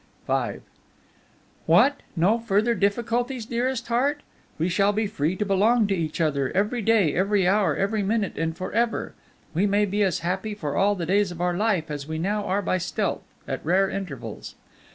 '" V "What! no further difficulties, dearest heart! We shall be free to belong to each other every day, every hour, every minute, and for ever! We may be as happy for all the days of our life as we now are by stealth, at rare intervals!